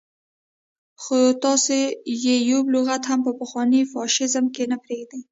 خو تاسو يې يو لغت هم په پخواني فاشيزم کې نه پرېږدئ.